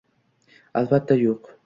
Albatta, yo'q.